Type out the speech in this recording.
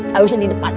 harusnya di depan aja